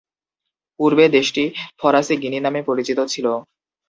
পূর্বে দেশটি ফরাসি গিনি নামে পরিচিত ছিল।